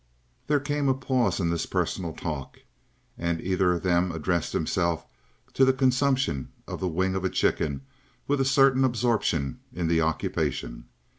There came a pause in this personal talk, and either of them addressed himself to the consumption of the wing of a chicken with a certain absorption in the occupation.